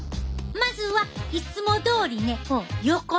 まずはいつもどおりねヨコ